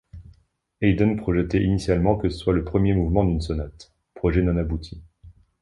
Haydn projetait initialement que cela soit le premier mouvement d'une sonate, projet non abouti.